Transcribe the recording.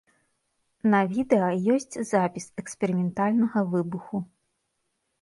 На відэа ёсць запіс эксперыментальнага выбуху.